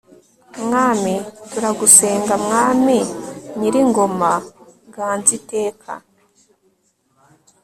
mwami turagusenga, mwami nyir'ingoma ganza iteka